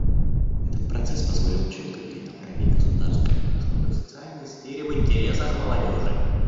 Этот процесс позволил четко перенаправить государственные расходы в социальной сфере в интересах молодежи.